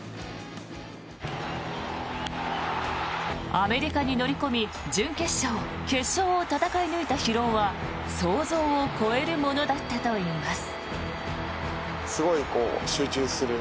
アメリカに乗り込み準決勝、決勝を戦い抜いた疲労は想像を超えるものだったといいます。